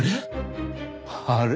あれ？